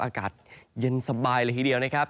อากาศเย็นสบายเลยทีเดียวนะครับ